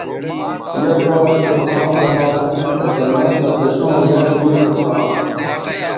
یک وارے سبحان اللہ منن تہ جنت مہ تسوں یک بیڇ اوکا